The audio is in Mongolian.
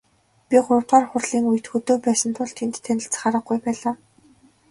Би гуравдугаар хурлын үед хөдөө байсан тул тэнд танилцах аргагүй байлаа.